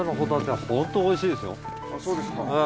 そうですか。